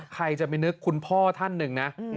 ใครจะไปนึกคุณพ่อท่านหนึ่งนะ